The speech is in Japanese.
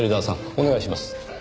お願いします。